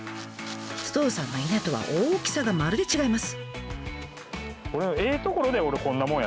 首藤さんの稲とは大きさがまるで違います。